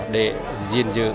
để gìn dự